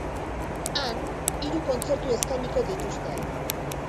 Han, hiru kontzertu eskainiko dituzte.